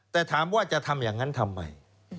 แต่ถามว่าจะทำอย่างนั้นทำไม